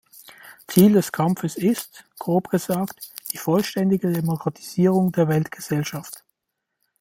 Ziel des Kampfes ist, grob gesagt, die vollständige Demokratisierung der Weltgesellschaft.